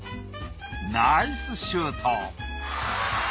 ナイスシュート！